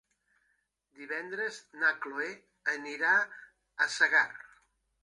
Divendres na Chloé anirà a Segart.